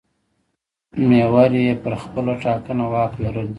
محور یې پر خپله ټاکنه واک لرل دي.